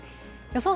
予想